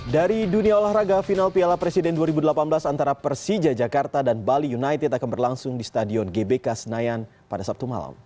dari dunia olahraga final piala presiden dua ribu delapan belas antara persija jakarta dan bali united akan berlangsung di stadion gbk senayan pada sabtu malam